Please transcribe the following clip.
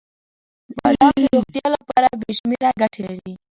• بادام د روغتیا لپاره بې شمیره ګټې لري.